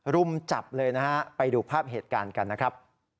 รุมจับเลยนะฮะไปดูภาพเหตุการณ์กันนะครับ